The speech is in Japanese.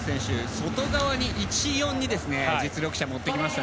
外側に１、４に実力者を持ってきました。